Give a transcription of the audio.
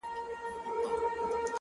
زده کړه د کشف دوامداره سفر دی,